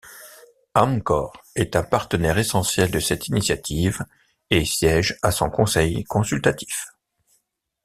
Amcor est un partenaire essentiel de cette initiative et siège à son conseil consultatif.